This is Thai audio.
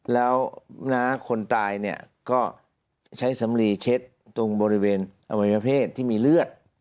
แล้วคนตายเนี่ยก็ใช้สำลีเช็ดตรงบริเวณอวัยวเพศที่มีเลือด